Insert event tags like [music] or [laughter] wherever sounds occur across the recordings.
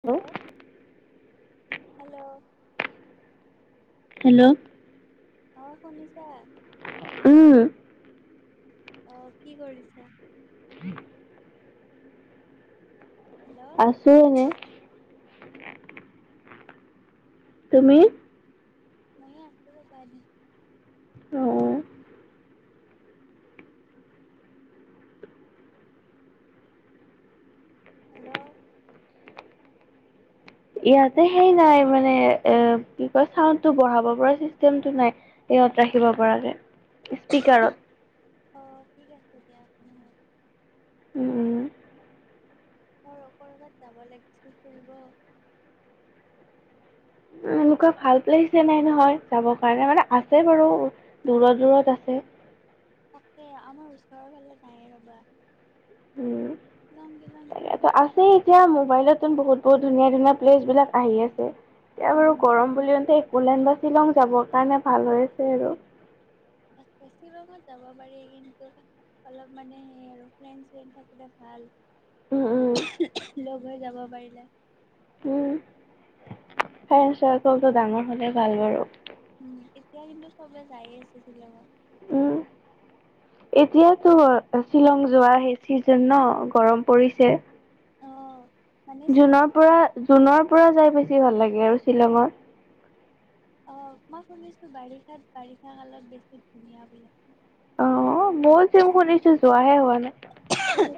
Hello hello? Hello? অ শুনিছা? উম। অহ কি কৰিছা? হেল্ল' আছো এনে। তুমি? মইও আছো বাই দেই অ হেল্ল'? ইয়াতে সেই নাই মানে এ, কি কয় চাউনটো বঢ়াব পৰা চিষ্টেমটো নাই ইহত ৰাখিব পৰাকে। স্পীকাৰত অ ঠিক আছে, দিয়া আপুনি উম। ঘ কৰবাত যাব লাগিছিল ফুৰিব। এনেকুৱা ভাল প্লেচ নাই নহয় যাবৰ কাৰণে মানে আছে বাৰু, দূৰত দূৰত আছে। সেই আমাৰ ওচৰৰ ফালে নাই ৰবা। উম, শ্বিলং তিলং যাব তাকো পাৰি আছে এতিয়া মোবাইলতো বহুত বহুত ধুনীয়া ধুনীয়া প্লেচ বিলাক আহি আছে। এতিয়া বাৰু উম গৰম বুলিতে বলেন বা শ্বিলং যাবৰ কাৰণে ভাল হৈছে আৰু। যাব পাৰি কিন্তু অলপ মানে সেই আৰু ফ্ৰেণ্ড শ্ৰেণ্ড থাকিলে ভাল। উম উম ল [inaudible] [inaudible] হৈ যাব পাৰিলে। উম, ফ্ৰেণ্ড চাৰ্কালটো ডাঙৰ হলে ভালে বাৰু। উম, এতিয়া কিন্তু চবে যায় এ আছি শ্বিলংত। উম, এতিয়াতো শ্বিলং যোৱাহে চিজন ন গৰম পৰিছে। অ মানে শ্বিলং জুনৰ পৰা জুনৰ পৰা যাই বেছি ভাল লাগে আৰু শ্বিলঙত। অ মই শুনিছো, বাৰিষাত বাৰিষা কালত বেছি ধুনীয়া বোলে। অ মই য শুনিছো যোৱাহে হোৱা নাই। উম।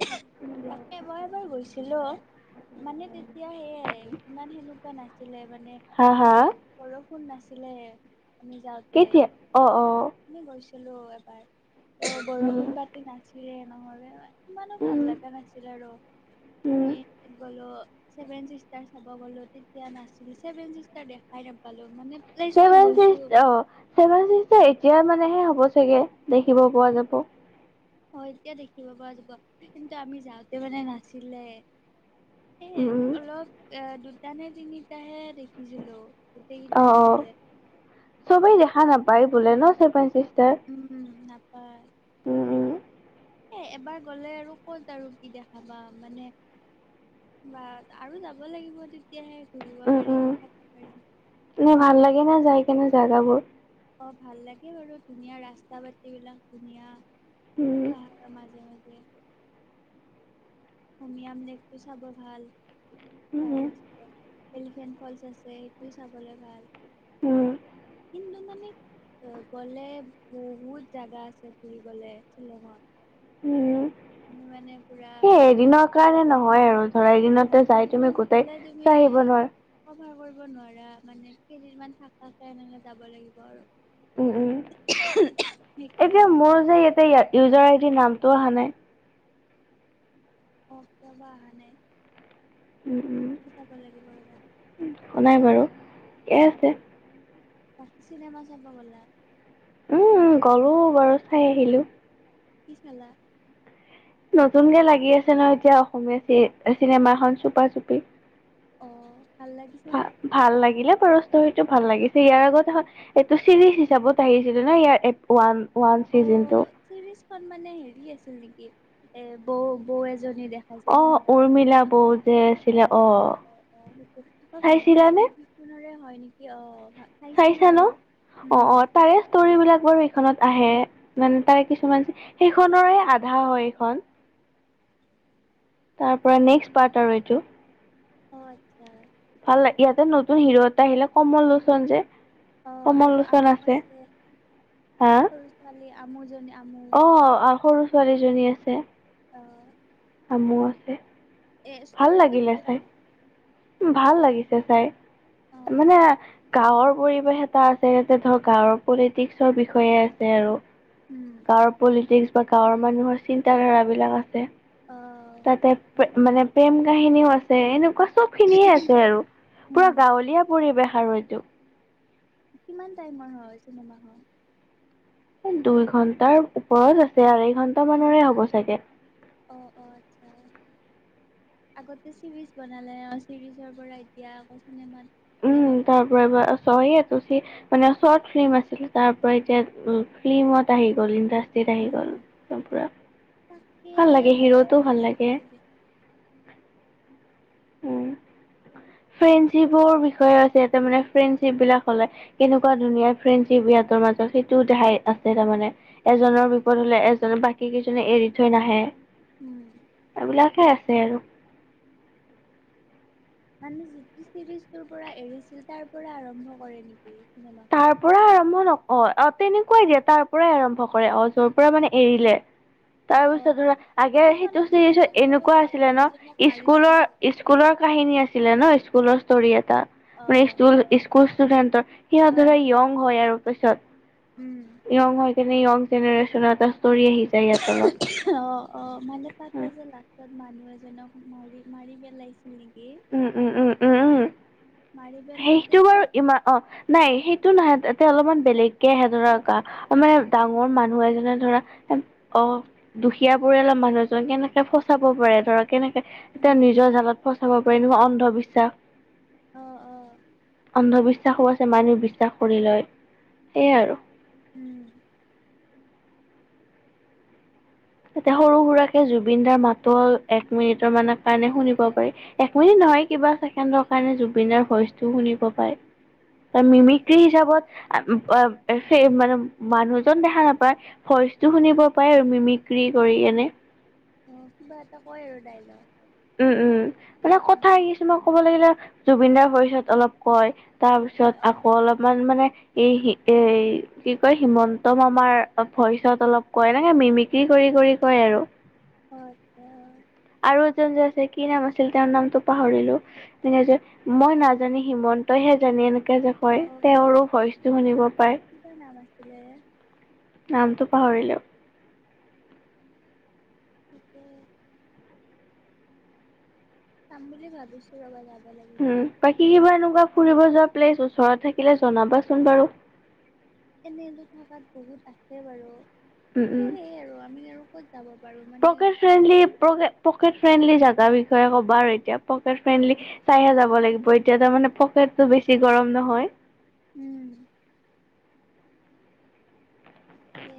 চিলো মানে এতিয়া সেয়াই ইমান হেনো নাছিলে মানে হা হা মানে পৰহ [unintelligible] কোন নাছিলে। আমি কেতিয়া? অ অ। খালো এবাৰ। অ উম, বৰষুণ বাতি নাচিৰে নহলে ইমানো ভাল উম, লগা নাছিল আৰু উম। আমি গলো ছেভেন চিষ্টাৰ হ'ব গলো তেতিয়া নাছিল ছেভেন চিষ্টাৰ দেখাই নাপালো মানে অ প্লেচটোত [unintelligible] গৈছো এতিয়াই মানেহে হ'ব চাগে, দেখিব পোৱা যাব। অ এতিয়া দেখিব পৰা যাব কিন্তু আমি যাওঁতে মানে নাছিলে। সে উম, উম, অলপ এ দু। তানে তিনিটাহে দেখিছিলো। গোটেই কেইটা অ অ নাছিলে চবেই দে। হা নাপায় বোলে ন চেভেনচি। উম উম। নাপায় উম উম। এ এবাৰ গ'লে আৰু ক'ত আৰু কি দেখাবা মানে বা আৰু যাব লাগিব তেতিয়া। তেতিয়াহে ঘূৰিব উম, পাৰিম চাব পাৰিম। কেনে যায় কেনে জেগাবোৰ। অ ভাল লাগে বাৰু ধুনীয়া ৰাস্তা পাটি বিলাক ধুনীয়া। উম পাহাৰ মাজে মাজে। [unintelligible] হুমি আমলেট টো চাব ভাল। উম চাল [unintelligible] এলিফেণ্ট ফলচ আছে সেইটোও চাবলৈ ভাল। উম কিন্তু মানে। গলে বহুত জাগা আছে ফুৰি গলে শ্বিলংত। উ। সেই এদিনৰ কাৰণে নহয়। হয় আৰু। চৰাই দিনত অ ত যাই তুমি এদিনত গোটাই গ'লে চাই তুমি আহিব নোৱাৰা। কৰিব নোৱাৰা মানে কেইদিনমান থাকাকে এনেকে যাব লাগিব আৰু। উম উম এতিয়া সেইকাৰণে মোৰ যে ইয়াতে ইয়াত। ইউজাৰ আইদিৰ নামটো অহা নাই। অ কিয় বা অহা নাই। উম উম চাব লাগিব ৰ'বা। এ আছে। চিনেমা চাব গলা। উম গলো বাৰু চাই আহিলো। কি খালা। নতুনকে লাগি আছে ন এতিয়া অসমীয়া চি চিনেমাখনন চুপা চুপি। অ। ভাল ভা লাগিছেনে ভাল লাগিলে। ষ্টৰিটো ভাল লাগিছে ইয়াৰ আগত এইটো চিৰিজ হিচাপত আহিছিলে ন ইয়াৰ ওৱান ওৱান অ চিজন টো। মানে হেৰি আছিল নেকি এ বৌ বৌ। জন দেখাইছিল অ সেনেকুৱা আছিলে উৰ্মিলা ন বৌ যে অ আছিলে অ অ অ চাইছিলানে ভাবিসিলো হেইখনৰে। হয় নেকি, অ। চাইছিলো চাইছা ন, বাৰু অ উম অ তাৰে ষ্টৰিবিলাক বৰ খনত আহে মানে তাৰে কিছুমান সেইখনৰে আধা হয় এইখন। তাৰ পৰা নেক্সট পাৰ্ট আৰু এইটো। অ আচ্ছা। ভাল লাগ ইয়াতে নতুন হিৰো এটা আহিলে কমল লোচন যে অ কমল আৰু আম লোচন আছে হা সৰু ছোৱালী আমোজনে অ সৰু- ছোৱালীজনী আছে। অ আমো আছে। এ ভাল ষ্টৰিটো লাগিলে ভাল চাই আৰু ন। ভাল লাগিছে চাই। মানে গাঁৱৰ পৰিৱেশ এটা আছে ইয়াতে ধৰ গাঁৱৰ পলিটিক্সৰ বিষয়ে আছে আৰু। উম। গাঁৱৰ পলিটিক্স বা গাঁৱৰ মানুহৰ চিন্তা ধাৰা বিলাক আছে, অ', তাতে মানে প্ৰেম কাহিনীও আছে এনেকুৱা। চব খিনিয়ে আছে আৰু, পুৰা উম, গাঁৱলীয়া পৰিৱেশ আঢ়ৈটো কিমান টাইমৰ হয় চিনেমা খন? দুই ঘন্টাৰ ওপৰত আছে, আঢ়ৈ ঘন্টা মানৰে হ'ব চাগে। অ অ আচ্ছা, আগতে চিৰিজ বনালে অ চিৰিজৰ পৰা এতিয়া আকৌ চিনেমাত চিনেমা উম বন তাৰ পৰাবা [inaudible] মানে শৰ্ট ফিল্ম আছিল, তাৰ পৰা এতিয়া ফিল্মত আহি গল ই টিত আহি উম, গ'ল একদম পূৰা। তাকে ভাল লাগে, ভাবিছো হিৰোটো ৰ ভাল চাম লাগে। বুলি উম, ফ্ৰেণ্ডশ্বিপৰ বিষয়ে আছে তাৰ মানে ফ্ৰেণ্ডশ্বিপ বিলাক হলে কেনেকুৱা ধুনীয়া ফ্ৰেণ্ডশ্বিপ ইহঁতৰ মাজত সেইটোও দেখাই আছে তাৰমানে। অ এজনৰ বিপদ হলে এ বাকী কেইজনে এৰি থৈ নাহে। উম। বিলাকে আছে আৰু। মানে যিটো চিৰিজৰ পৰা এৰিছিল তাৰ পৰা আৰম্ভ কৰে নেকি? চিনেমাখন? তাৰ পৰা আৰম্ভ নক অ অ তেনেকুৱাই দিয়া তাৰ পৰাই আৰম্ভ কৰে অ যৰ পৰা মানে এৰিলে। তাৰ অ পিছত, আগে সিখনতো সেইটো চাগে বাৰু এনেকুৱা আছিলে ন হেৰিজনক মাৰিছিল স্কুলৰ, চাগে স্কুলৰ কাহিনী আছিলে ন স্কুল ফুলস্থৰি আ তা, অ মানে স্কুল স্কুল ষ্টুডেণ্টত অ ধৰা য়ং হয় আৰু পিছত উম। তেনে য়ং জেনেৰেশ্যন আছ অ অ মানে তাতে যে লা ত মানুহ এজনক মাৰি, মাৰি পেলাইছ উম উম উম উম উম, মাৰি পেলাওতে সেইটো বাৰু সিহঁত ইমান অ নাই সেই টো নাহে তাতে অলপমান বেলেগকে আহে ধৰক, আহ মানে ডাঙৰ মানুহ এজনে ধৰা, অ দুখীয়া পৰিয়ালৰ মানুহ এজননে কেনেকে ফচাব পাৰে ধৰক কেনেকে, তেওঁ উম। নিজৰ জালত ফ পাৰ নয় অন্ধবিশ্বাস অ', অ', অন্ধ বিশ্ব বিশ্বাসো আছে মানুহ বিশ্বাস কৰি লয়, সেয়াই আৰু। উম। এতিয়া সৰু সুৰাকে জুবিন দাৰ মাতো এক মিনিটৰ মানৰ কাৰণে শুনিব পাৰি, এক মিনিট নহয় কিবা ছেকেণ্ডৰ কাৰণে জুবিন দাৰ ভইচটোও শুনিব পায়। ত অ', মিমিক্ৰি হিচাপত আ মানে মানুহজন দেখা নাপায়, ভইচটো শুনিব পায় আৰু মিমিক ক্ৰী কৰি এনে। অ কিবা এটা কয় আৰু দাইলগ। উম উম, মানে কথাই কিছুমান ক'ব লাগিলে জুবিনদাৰ ভইচত অলপ কয় তাৰপিছত অ', আকৌ অলপমান মানে এই এ কি কয় হিমন্ত মামাৰ ভইচত অলপ কয়, এনেকে মিমিক্ৰী কৰি কৰি কয় আৰু। আচ্ছা। আৰু এজন যে আছে কি নাম আছিল তেওঁৰ নামটো পাহৰিলো, তেনে যে মই নাজানি হিমন্তইহে জানি এনে যে কয় অ', তেওঁৰো ভইচটো শুনিব পায়। ছিলে নামটো পাহৰিলো। কি কয়? যাম বুলি ভাবিছো, ৰ'বা যাম। উম বাকী কিবা আৰু কোৱাত ফুৰিব যোৱা প্লেছ ওচৰত থাকিলে জনাবাচোন বাৰু। এনেতো থকাত বহুত আছে বাৰু। উম উম। কিন্তু সেই আৰু আমি আৰু ক'ত যাব পাৰো মানে পকে পকেট ফ্ৰেণ্ডলি জোগাৰ বিষয়ে ক'বা আৰু এতিয়া পকেট ফ্ৰেণ্ডলি চাইহে উম, যাব লাগিব সেইটো এতিয়া তাৰমানে পকেটটো বেছি ছি গৰম নহয়। উম। তাকে।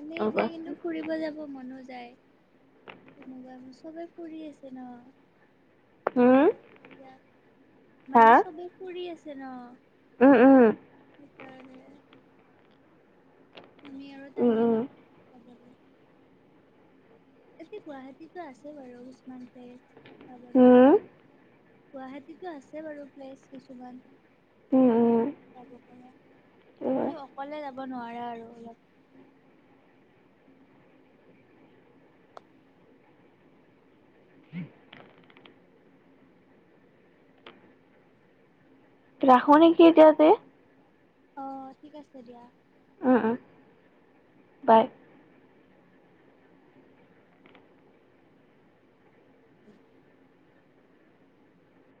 এনে এতিয়া কিন্তু ৰ'বাচোন ফুৰিব যাব মন- ন যাই তেনেকুৱা চবে ফুৰি আছে ন। উম মজা চজা হা মানে চবে ফুৰি আছ- যেন উম উম সেকাৰণে। আমি আৰু উম টাইমে উম নাপাব পাৰোঁ। এটি গুৱাহাটীটো আছে বাৰু কিছুমান পেখ চাব যাবা। উম গুৱাহাটীটো আছে বাৰু প্লেচ কিছুমান। উম উম যাব পাৰা উম। কিন্তু অকলে যাব ফুৰিব নোৱাৰা আৰু অলপ। [unintelligible] ৰাখোঁ নেকি এতিয়াযে। অ ঠিক আছে দিয়া। উম উম বাই। [unintelligible]